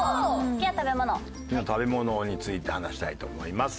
好きな食べ物について話したいと思います。